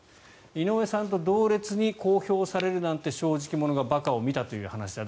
井上さんと同列に公表されるなんて正直者が馬鹿を見たという話だ。